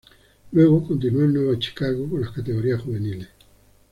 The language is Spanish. Luego, continuó en Nueva Chicago con las categorías juveniles.